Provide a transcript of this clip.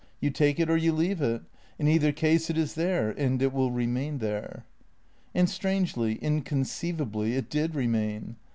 You take it or you leave it. In either case it is there; and it will remain there." And strangely, inconceivably, it did remain.